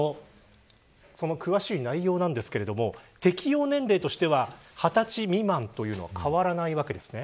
その詳しい内容なんですけど適用年齢としては２０歳未満というのは変わりません。